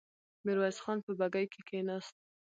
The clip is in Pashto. ميرويس خان په بګۍ کې کېناست.